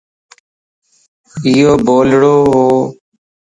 ايو بولڙووَ